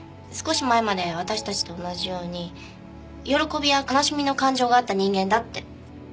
少し前まで私たちと同じように喜びや悲しみの感情があった人間だって。